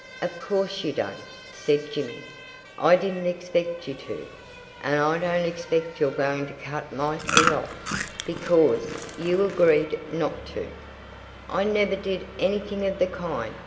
"Of course you don't," said Jimmy. "I didn't expect you to. And I don't expect you're going to cut my foot off, because you agreed not to." "I never did anything of the kind!"